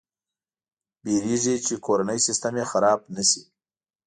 ویرېږي چې کورنی سیسټم یې خراب نه شي.